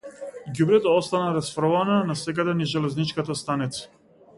Ѓубрето остана расфрлано насекаде низ железничката станица.